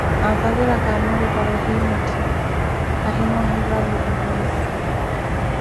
anfazeraka amore para ohiimithi ahima ohivali molwele